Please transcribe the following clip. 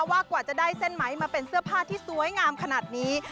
กว่าจะได้เส้นไหมมาเป็นเสื้อผ้าที่สวยงามขนาดนี้